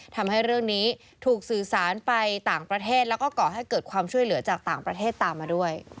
ทำให้เรื่องนี้ถูกสื่อสารไปต่างประเทศแล้วก็ก่อให้เกิดความช่วยเหลือจากต่างประเทศตามมาด้วย